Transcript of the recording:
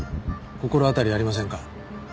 心当たりありませんか？